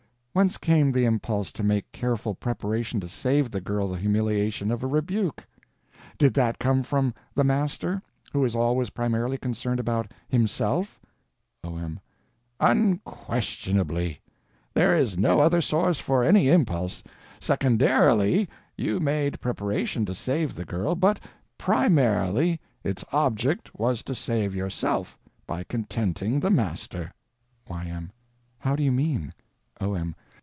Whence came the impulse to make careful preparation to save the girl the humiliation of a rebuke? Did that come from the Master, who is always primarily concerned about himself? O.M. Unquestionably. There is no other source for any impulse. _Secondarily _you made preparation to save the girl, but _primarily _its object was to save yourself, by contenting the Master. Y.M. How do you mean? O.M.